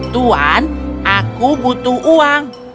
tuan aku butuh uang